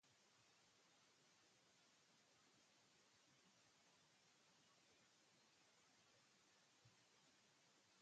Para empezar, eso si, Toyota and Yamada fueron más bien rivales que compañeras.